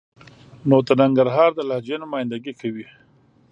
نو د ننګرهار د لهجې نماینده ګي کوي.